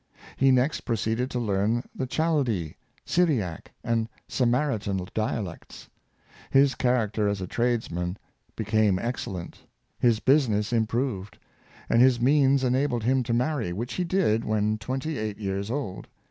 He next proceeded to learn the Chaldee, Syriac, and Samaritan dialects. His character as a tradesman be ing excellent, his business improved, and his means ena bled him to marry, which he did when twenty eight years old.